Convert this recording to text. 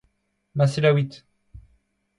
Ma selaouit.